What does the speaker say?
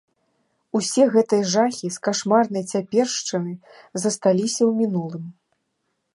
Усе гэтыя жахі з кашмарнай цяпершчыны засталіся ў мінулым.